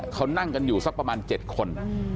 เขานั่งกันอยู่สักประมาณ๗คน